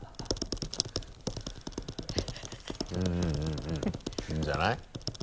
うんうんいいんじゃない？